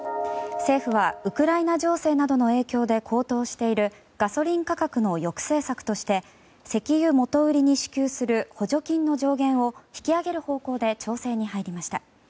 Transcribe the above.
政府はウクライナ情勢などの影響で高騰しているガソリン価格の抑制策として石油元売りに支給する補助金の上限を引き上げる方向で調整に入りました。